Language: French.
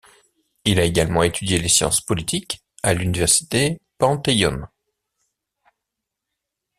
Il a également étudié les sciences politiques à l'Université Panteion.